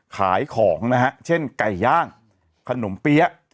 ขายของนะฮะเช่นไก่ย่างขนมเปี๊ยะ